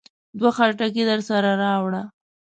دوه خټکي درسره راوړه.